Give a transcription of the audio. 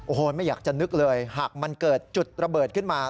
โอ้โหไม่อยากจะนึกเลยหากมันเกิดจุดระเบิดขึ้นมา